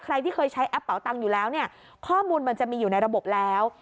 ใครที่เคยใช้แอปเป่าตังค์อยู่แล้วเนี่ยข้อมูลมันจะมีอยู่ในระบบแล้ว